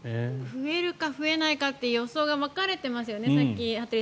増えるか増えないかと予想が分かれてますよね。